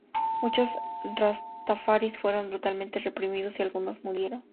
Muchos rastafaris fueron brutalmente reprimidos, y algunos murieron.